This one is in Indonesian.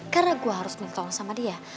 karena gue harus minta tolong sama dia